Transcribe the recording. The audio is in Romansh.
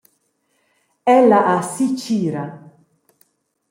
Ella ha sitgira.